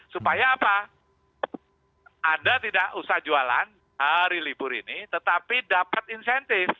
supaya apa anda tidak usah jualan hari libur ini tetapi dapat insentif